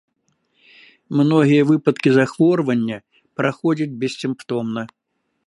Многія выпадкі захворвання праходзяць бессімптомна.